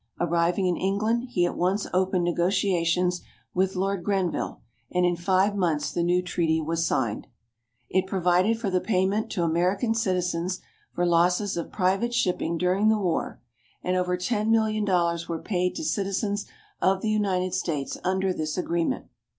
Arriving in England, he at once opened negotiations with Lord Grenville, and in five months the new treaty was signed. It provided for the payment to American citizens for losses of private shipping during the war; and over ten million dollars were paid to citizens of the United States under this agreement.